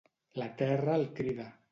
La terra el crida.